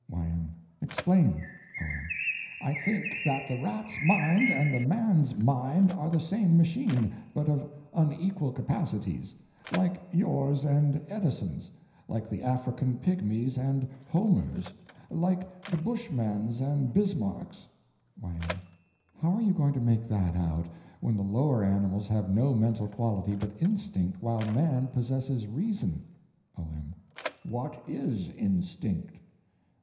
Y.M. Explain. O.M. I think that the rat's mind and the man's mind are the same machine, but of unequal capacities—like yours and Edison's; like the African pygmy's and Homer's; like the Bushman's and Bismarck's. Y.M. How are you going to make that out, when the lower animals have no mental quality but instinct, while man possesses reason? O.M. What is instinct?